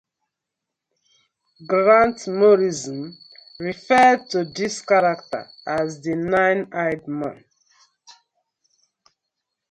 Grant Morrison referred to this character as the Nine-Eyed Man.